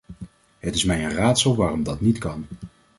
Het is mij een raadsel waarom dat niet kan.